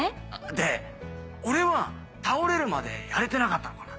で俺は倒れるまでやれてなかったのかな。